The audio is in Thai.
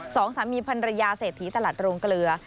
สองสามีพันรยาเศรษฐีตลาดโรงเกลือ